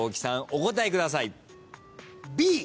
お答えください。